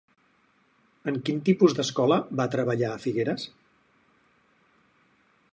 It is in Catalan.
En quin tipus d'escola va treballar a Figueres?